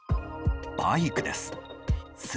バイクです。